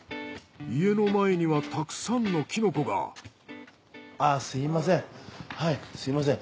家の前にはたくさんのキノコが。ああすみませんすみません。